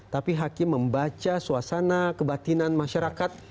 tapi hakim membaca suasana kebatinan masyarakat